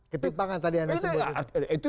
ketipangan tadi anda sebut